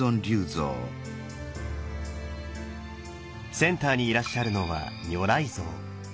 センターにいらっしゃるのは如来像。